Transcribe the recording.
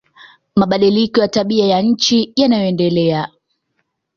Mabadiliko ya tabia ya nchi yanayoendelea